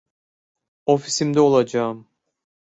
Ofisimde olacağım.